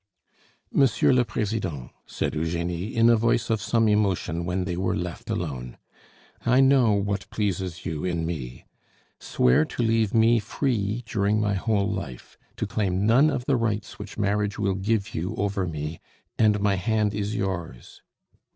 "Monsieur le president," said Eugenie in a voice of some emotion when they were left alone, "I know what pleases you in me. Swear to leave me free during my whole life, to claim none of the rights which marriage will give you over me, and my hand is yours.